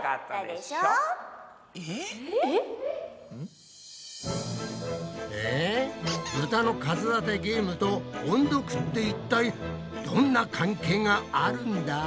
えっ！？えブタの数当てゲームと音読っていったいどんな関係があるんだ？